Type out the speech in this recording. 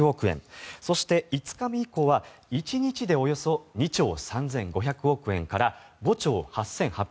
そして、５日目以降は１日でおよそ２兆３５００億円から５兆８８００億円。